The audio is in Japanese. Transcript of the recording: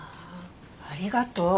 あありがとう。